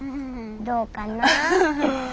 どうかな？